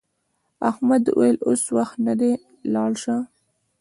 احمد وویل اوس وخت نه دی لاړ شه.